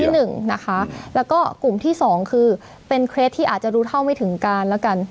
หนึ่งนะคะแล้วก็กลุ่มที่สองคือเป็นเครสที่อาจจะรู้เท่าไม่ถึงการแล้วกัน